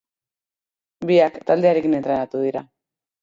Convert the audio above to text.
Biak taldearekin entrenatu dira.